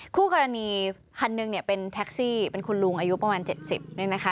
คู่กรณีคันหนึ่งเนี่ยเป็นแท็กซี่เป็นคุณลุงอายุประมาณ๗๐เนี่ยนะคะ